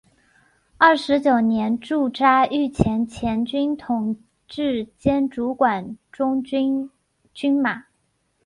二十九年驻扎御前前军统制兼主管中军军马。